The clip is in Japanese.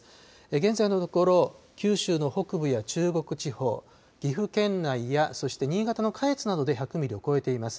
現在のところ九州の北部や中国地方、岐阜県内やそして新潟の下越などで１００ミリを超えています。